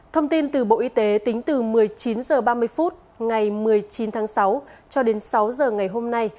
thông tin từ bộ y tế tính từ một mươi chín h ba mươi phút ngày một mươi chín tháng sáu cho đến sáu h ngày hôm nay